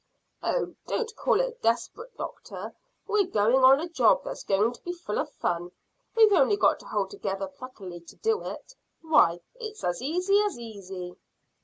"Oh, don't call it desperate, doctor. We're going on a job that's going to be full of fun. We've only got to hold together pluckily to do it. Why, it's as easy as easy."